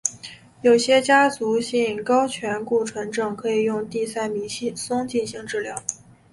有些家族性高醛固酮症可用地塞米松进行治疗。